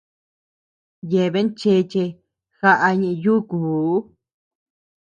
Yeaben chéche jaʼa ñee yuku.